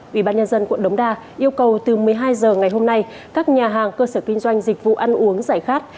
ủy ban nhân dân quận đống đa yêu cầu từ một mươi hai h ngày hôm nay các nhà hàng cơ sở kinh doanh dịch vụ ăn uống giải khát